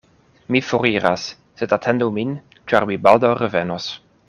Mi foriras, sed atendu min, ĉar mi baldaŭ revenos.